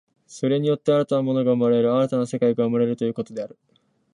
それによって新たな物が生まれる、新たな世界が生まれるということである。